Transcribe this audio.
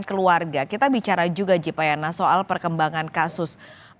keluarga kita bicara juga jipa yana soal perkembangan kasus